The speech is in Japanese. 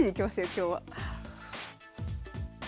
今日は。